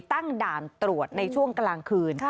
ตั้งด่านตรวจในช่วงกลางคืน